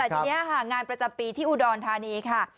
ทีนี้ค่ะงานประจำปีที่อุดรธานีค่ะ